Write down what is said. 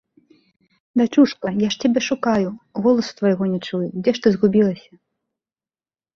Дачушка, я ж цябе шукаю, голасу твайго не чую, дзе ж ты загубілася?